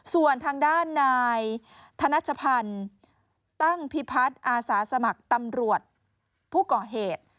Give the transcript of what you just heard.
ส่วนทางด้านนายธนัชพันธ์ตั้งพิพัฒน์อาสาสมัครตำรวจผู้ก่อเหตุ